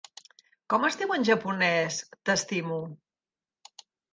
Com es diu en japonès 't'estimo'?